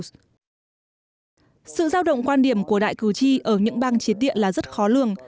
sự giao động quan điểm của đại cử tri ở những bang chiến địa là rất khó lường